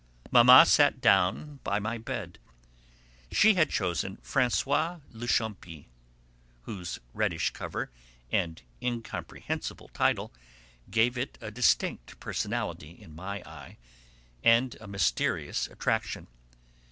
Mamma sat down by my bed; she had chosen François le Champi, whose reddish cover and incomprehensible title gave it a distinct personality in my eyes and a mysterious attraction.